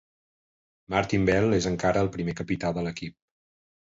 Martin Bell és encara el primer capità de l'equip.